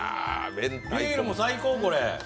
ビールも最高、これ。